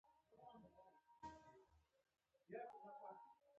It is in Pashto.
ګاز لرونکي مشروبات کم وڅښه او اوبه ډېرې وڅښئ.